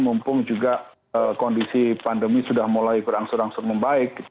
mumpung juga kondisi pandemi sudah mulai berangsur angsur membaik